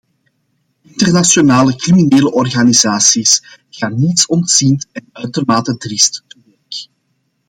Internationale criminele organisaties gaan nietsontziend en uitermate driest te werk.